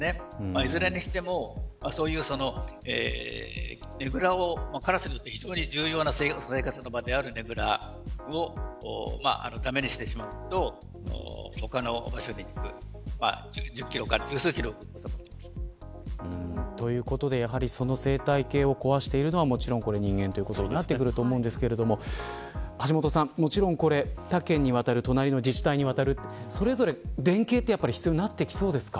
いずれにしてもカラスにとって非常に重要な生活の場であるねぐらを駄目にしてしまうと他の場所に行くということでその生態系を壊しているのはもちろん人間ということになってくると思うんですけど橋下さん、もちろん他県にわたる隣の自治体にわたるそれぞれ連携は必要になってきそうですか。